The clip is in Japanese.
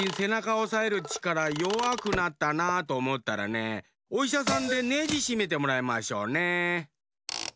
おさえるちからよわくなったなとおもったらねおいしゃさんでネジしめてもらいましょうね。